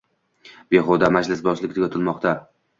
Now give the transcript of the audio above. Behuda majlisbozlik tugatilmoqda.